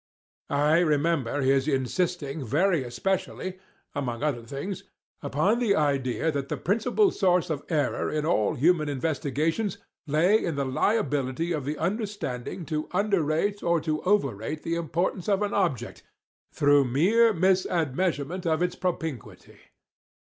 I remember his insisting very especially (among other things) upon the idea that the principle source of error in all human investigations lay in the liability of the understanding to under rate or to over value the importance of an object, through mere misadmeasurement of its propinquity.